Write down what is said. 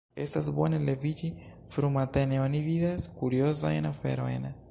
Estas bone leviĝi frumatene: oni vidas kuriozajn aferojn.